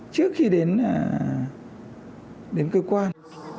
trước khi đến cơ quan